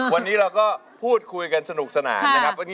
วันนี้เราก็พูดคุยกันสนุกสนานนะครับ